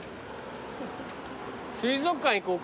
水族館行こうか。